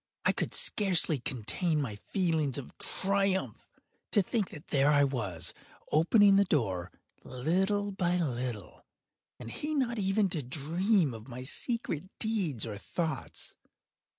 I could scarcely contain my feelings of triumph. To think that there I was, opening the door, little by little, and he not even to dream of my secret deeds or thoughts.